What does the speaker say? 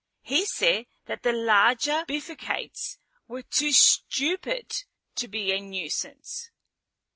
He said that the larger bifurcates were too stupid to be a nuisance.